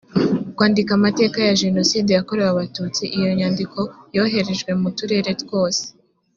kwandika amateka ya jenoside yakorewe abatutsi iyo nyandiko yoherejwe mu turere twose